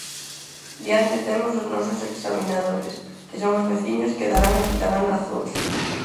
Diante temos os nosos examinadores, que son os veciños que darán e quitarán razóns.